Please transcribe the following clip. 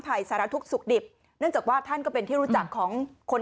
ภัยสารทุกข์สุขดิบเนื่องจากว่าท่านก็เป็นที่รู้จักของคน